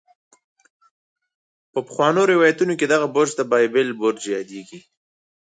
په پخوانو روايتونو کې دغه برج د بابل برج يادېږي.